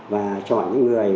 và chọn những người